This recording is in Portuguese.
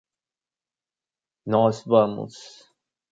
Nós vamos.